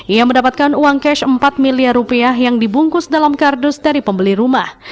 ia mendapatkan uang cash empat miliar rupiah yang dibungkus dalam kardus dari pembeli rumah